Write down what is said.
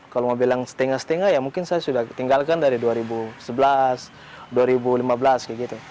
kalau mau bilang setingga setingga ya mungkin saya sudah tinggalkan dari dua ribu sebelas dua ribu lima belas kayak gitu